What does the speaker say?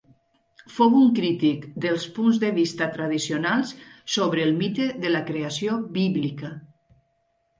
Fou un crític dels punts de vista tradicionals sobre el mite de la creació bíblica.